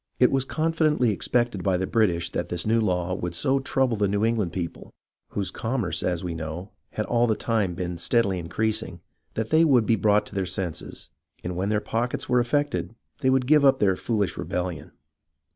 It was confidently expected by the British that this new law would so trouble the New England people, whose commerce, as we know, had all the time been steadily increasing, that they would be brought to their 34 THE RESORT TO ARMS 35 senses, and when their pockets were affected, they would give up their foolish rebellion.